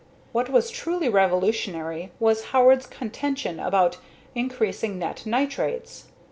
What was truly revolutionary was Howard's contention about increasing net nitrates.